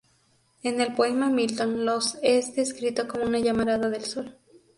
En el poema "Milton", Los es descrito como una llamarada del Sol.